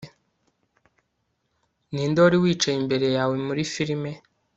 Ninde wari wicaye imbere yawe muri firime